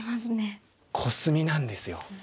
コスミなんですよ。